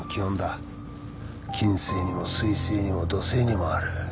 金星にも水星にも土星にもある